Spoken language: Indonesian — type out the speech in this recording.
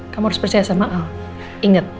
kamu harus percaya sama al inget